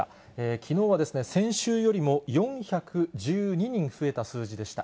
きのうは先週よりも４１２人増えた数字でした。